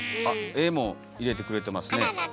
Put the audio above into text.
あっ絵も入れてくれてますね。